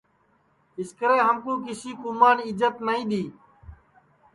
اِسکرے ہمکُو کیسی کُومان اِجت نائی دؔی